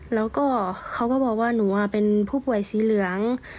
แล้วก็เขาก็บอกว่าหนูเป็นผู้ป่วยสีเหลือง